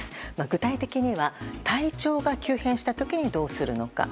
具体的には体調が急変した時にどうするのか。